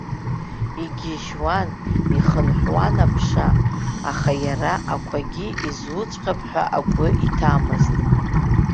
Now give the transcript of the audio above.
Игьежьуан, ихынҳәуан аԥша, аха иара ақәагьы изуҵәҟьап ҳәа агәы иҭамызт.